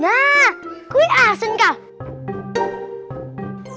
nah kue asun kau